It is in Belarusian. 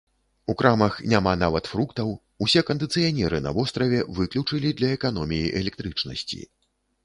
У крамах няма нават фруктаў, усе кандыцыянеры на востраве выключылі для эканоміі электрычнасці.